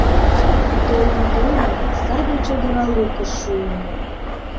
Толын-толын, саде чодыра лукыш шуым;